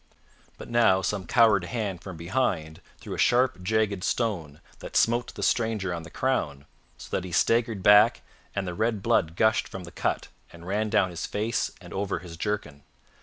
But now some coward hand from behind threw a sharp jagged stone that smote the stranger on the crown, so that he staggered back, and the red blood gushed from the cut and ran down his face and over his jerkin.